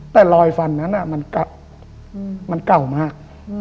แต่รอยฟันนั้นมันเก่ามันเก่ามาก